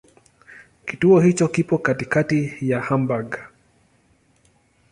Kituo hicho kipo katikati ya Hamburg.